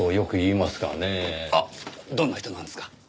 あっどんな人なんですか？